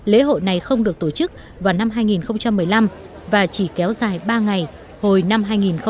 lễ hội này không được tổ chức vào năm hai nghìn một mươi năm và chỉ kéo dài ba ngày hồi năm hai nghìn một mươi tám